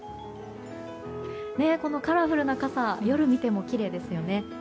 このカラフルな傘夜見てもきれいですよね。